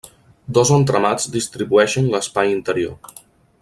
Dos entramats distribueixen l'espai interior.